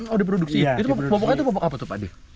oh di sini